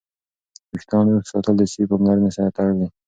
ویښتان اوږد ساتل د صحي پاملرنې سره تړلي.